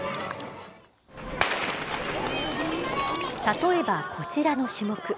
例えば、こちらの種目。